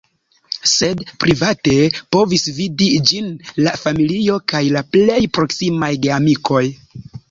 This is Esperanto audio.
Sed private povis vidi ĝin la familio kaj la plej proksimaj geamikoj.